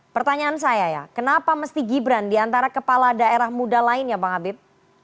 pertanyaan saya ya kenapa mesti gibran di antara kepala daerah muda lain ya bang habib